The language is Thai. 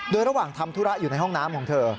โดยระหว่างทำธุระอยู่ในห้องน้ำของเธอ